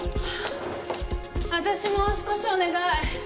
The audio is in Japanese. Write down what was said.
私も少しお願い。